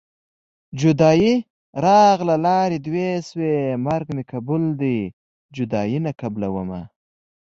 جدايي راغله لارې دوه شوې مرګ مې قبول دی جدايي نه قبلومه